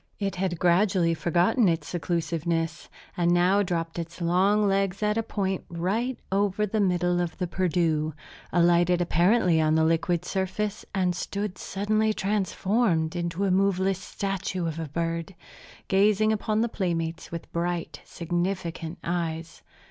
It had gradually forgotten its seclusiveness, and now dropped its long legs at a point right over the middle of the Perdu, alighted apparently on the liquid surface, and stood suddenly transformed into a moveless statue of a bird, gazing upon the playmates with bright, significant eyes.